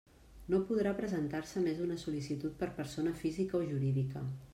No podrà presentar-se més d'una sol·licitud per persona física o jurídica.